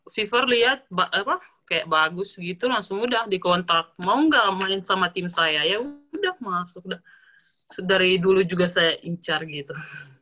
fiver lihat kayak bagus gitu langsung udah dikontrak mau nggak main sama tim saya ya udah dari dulu juga saya incar gitu